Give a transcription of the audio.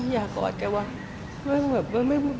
อย่ากอดแกวะ